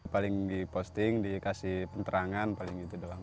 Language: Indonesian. paling di posting dikasih penterangan paling gitu doang